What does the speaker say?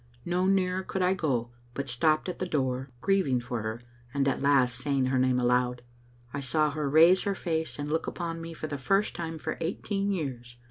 No nearer could I go, but stopped at the door, grieving for her, and at last saying her name aloud. I saw her raise her face, and look upon me for the first time for eighteen years.